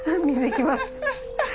水いきます。